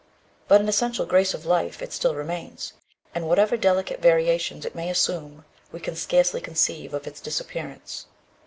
But an essential grace of life it still remains, and whatever delicate variations it may assume we can scarcely conceive of its disappearance.